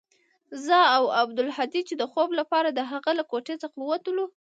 زه او عبدالهادي چې د خوب لپاره د هغه له کوټې څخه وتلو.